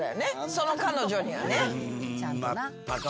その彼女にはね。